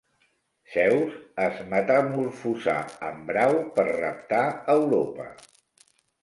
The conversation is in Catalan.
Zeus es metamorfosà en brau per raptar Europa.